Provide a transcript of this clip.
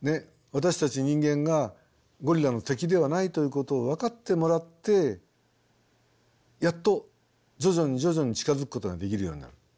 私たち人間がゴリラの敵ではないということを分かってもらってやっと徐々に徐々に近づくことができるようになる。